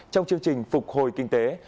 trong chương trình phục hồi kinh tế